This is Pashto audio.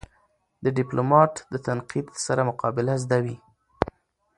د ډيپلومات د تنقید سره مقابله زده وي.